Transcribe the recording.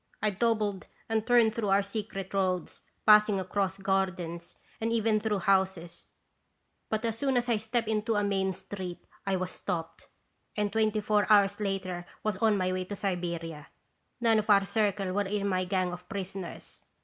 " I doubled and turned through our secret roads, passing across gardens, and even through houses, but as soon as I stepped into a & (Stations Visitation. 195 main street I was stopped, and twenty four hours later was on my way to Siberia. None of our Circle were in my gang of prisoners.